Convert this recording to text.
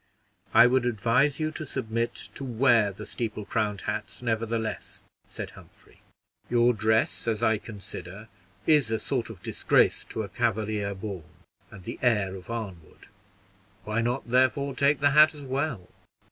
"I would advise you to submit to wear the steeple crowned hats, nevertheless," said Humphrey. "Your dress, as I consider, is a sort of disgrace to a Cavalier born, and the heir of Arnwood; why not, therefore, take its hat as well?